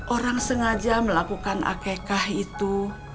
orang sengaja melakukan akekah itu